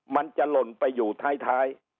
มันจะหล่นไปอยู่ท้าย